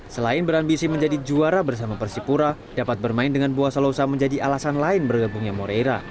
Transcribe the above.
selain berambisi menjadi juara bersama persipura dapat bermain dengan bua salosa menjadi alasan lain bergabungnya moreira